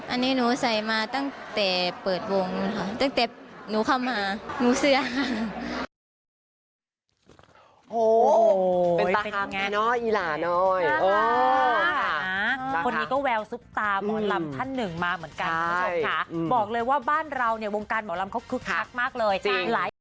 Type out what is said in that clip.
อันนี้หนูใส่มาตั้งแต่เปิดวงค่ะตั้งแต่หนูเข้ามาหนูเสื้อ